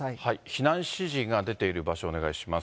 避難指示が出ている場所をお願いします。